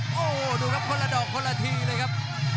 โอ้โหดูครับคนละดอกคนละทีเลยครับ